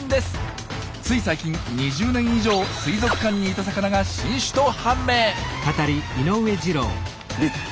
つい最近２０年以上水族館にいた魚が新種と判明！